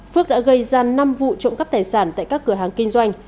phước đã gây ra năm vụ trộm cắp tài sản tại các cửa hàng kinh doanh